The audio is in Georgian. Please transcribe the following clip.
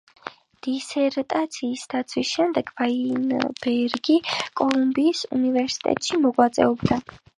დისერტაციის დაცვის შემდეგ ვაინბერგი კოლუმბიის უნივერსიტეტში მოღვაწეობდა.